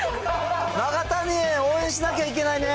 永谷園応援しなきゃいけないね。